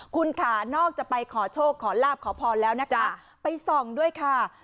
คุณค่ะนอกจากไปขอโชคขอลาบขอพรแล้วนะคะไปส่องด้วยค่ะ